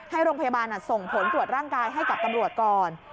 ให้โรงพยาบาลส่งผลตรวจร่างกายให้กับตำรวจก่อน